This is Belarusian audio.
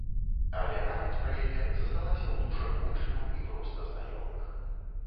Але памяць пра яе засталася ў душах вучняў і проста знаёмых.